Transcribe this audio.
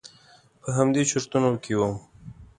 په همدې چرتونو کې وم.